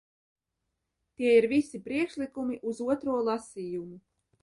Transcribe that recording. Tie ir visi priekšlikumu uz otro lasījumu.